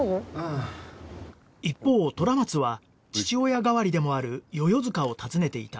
一方虎松は父親代わりでもある世々塚を訪ねていた